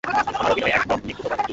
আমার অভিনয় একদম নিখুঁত হতে হবে।